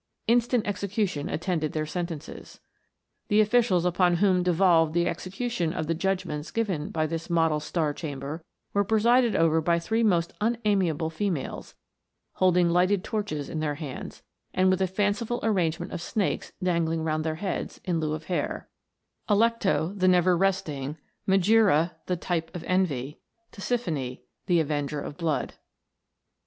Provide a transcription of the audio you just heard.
Instant execution at tended their sentences. The officials upon whom devolved the execution of the judgments given by this model Star chamber, were presided over by three most unamiable females, holding lighted torches in their hands, and with a fanciful arrange ment of snakes dangling round their heads, in lieu of hair Alecto, the never resting ; Megcera, the type of envy ; Tisiphone, the avenger of blood.